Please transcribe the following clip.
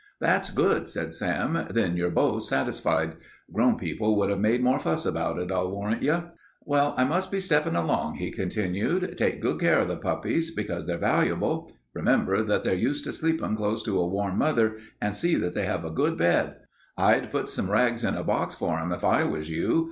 "That's good," said Sam. "Then you're both satisfied. Grown people would have made more fuss about it, I'll warrant you. "Well, I must be steppin' along," he continued. "Take good care of the puppies, because they're valuable. Remember that they're used to sleepin' close to a warm mother and see that they have a good bed. I'd put some rags in a box for 'em if I was you.